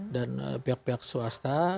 dan pihak pihak swasta